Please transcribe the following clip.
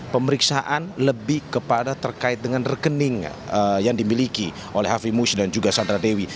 pemeriksaan lebih kepada terkait dengan rekening yang dimiliki oleh hafimus dan juga sandra dewi